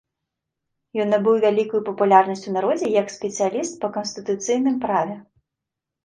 Ён набыў вялікую папулярнасць у народзе, як спецыяліст па канстытуцыйным праве.